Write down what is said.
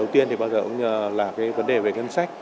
tuy nhiên là vấn đề về ngân sách